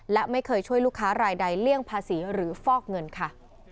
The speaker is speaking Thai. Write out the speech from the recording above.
และไม่เคยช่วยลูกค้ารายใดเลี่ยงภาษีหรือฟอกเงินค่ะ